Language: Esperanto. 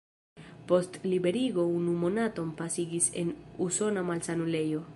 Post liberigo unu monaton pasigis en usona malsanulejo.